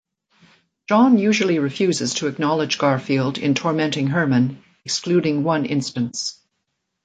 Jon usually refuses to acknowledge Garfield in tormenting Herman, excluding one instance.